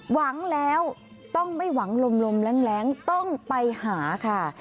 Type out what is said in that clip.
หวังแล้วต้องไม่หวังลมแรงต้องไปหาค่ะ